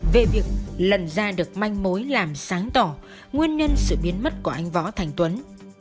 về việc lần ra được manh mối làm sáng tỏ nguyên nhân sự biến mất của anh võ thành tuấn